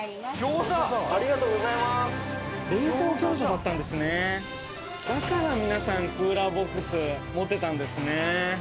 だから皆さんクーラーボックス持ってたんですね。